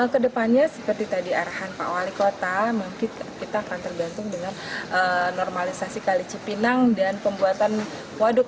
kedepannya seperti tadi arahan pak wali kota mungkin kita akan tergantung dengan normalisasi kali cipinang dan pembuatan waduk